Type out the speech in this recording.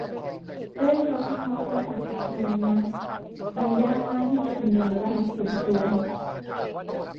ได้รับเฉพาะรหัสสาธารณะมันยากมากที่จะคำนวณรหัสส่วนตัว